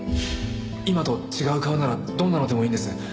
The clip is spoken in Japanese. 今と違う顔ならどんなのでもいいんです。